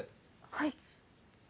はい